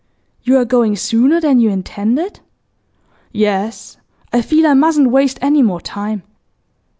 'You are going sooner than you intended?' 'Yes, I feel I mustn't waste any more time.